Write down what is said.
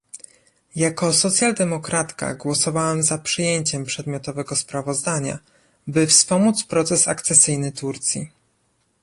Jako socjaldemokratka głosowałam za przyjęciem przedmiotowego sprawozdania, by wspomóc proces akcesyjny Turcji